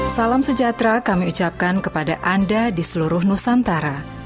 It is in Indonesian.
salam sejahtera kami ucapkan kepada anda di seluruh nusantara